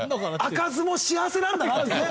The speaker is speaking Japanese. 開かずも幸せなんだなってね。